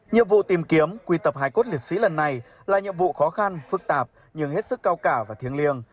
nhiệm vụ tìm kiếm quy tập hải cốt liệt sĩ lần này là nhiệm vụ khó khăn phức tạp nhưng hết sức cao cả và thiêng liêng